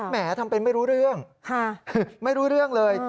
แหมทำเป็นไม่รู้เรื่องไม่รู้เรื่องเลย